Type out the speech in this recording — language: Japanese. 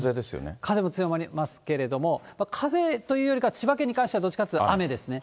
風も強まりますけれども、風というよりかは千葉県に関しては、どっちかというと雨ですね。